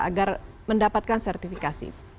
agar mendapatkan sertifikasi